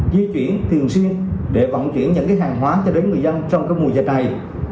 di chuyển thường xuyên để vận chuyển những hàng hóa cho đến người dân trong mùa dịch này